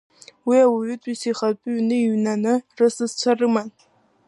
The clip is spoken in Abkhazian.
Уи ауаатәыҩса ихатәы ҩны иҩнан, рысасцәа рыманы.